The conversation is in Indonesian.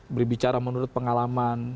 berbicara menurut pengalaman